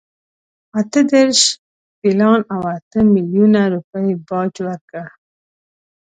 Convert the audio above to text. اته دېرش پیلان او اته میلیونه روپۍ باج ورکړ.